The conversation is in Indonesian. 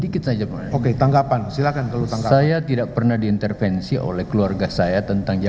karena ini penting sekali